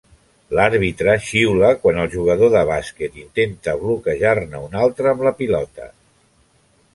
L'àrbitre xiula quan el jugador de bàsquet intenta bloquejar-ne un altre amb la pilota.